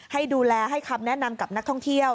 ให้ดูแลให้คำแนะนำกับนักท่องเที่ยว